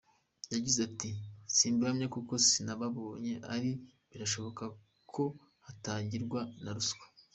Yagize ati “Simbihamya kuko sinababonye ariko birashoboka ko hatangirwa na ruswa.